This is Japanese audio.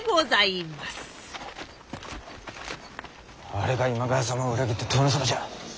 あれが今川様を裏切った殿様じゃ。